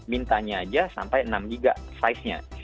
mintanya aja sampai enam giga size nya